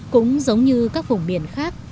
cũng giống như các vùng biển khác